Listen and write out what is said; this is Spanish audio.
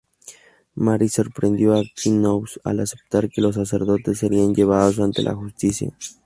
Mary sorprendió a Knox al aceptar que los sacerdotes serían llevados ante la justicia.